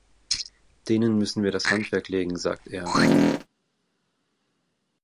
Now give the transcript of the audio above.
Denen müssen wir das Handwerk legen, sagt er.